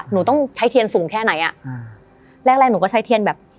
หนูต้องใช้เทียนสูงแค่ไหนอ่ะอ่าแรกแรกหนูก็ใช้เทียนแบบ